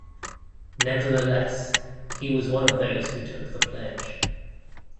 Nevertheless, he was one of those who took the pledge.